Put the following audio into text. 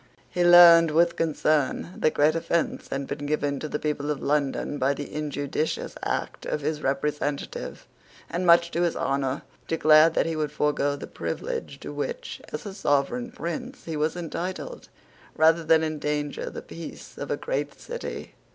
He learned, with concern, that great offence had been given to the people of London by the injudicious act of his representative, and, much to his honour, declared that he would forego the privilege to which, as a sovereign prince, he was entitled, rather than endanger the peace of a great city.